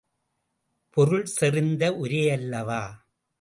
பொருள் செறிந்த உரையல்லவா?